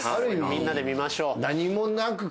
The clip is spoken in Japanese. みんなで見ましょう。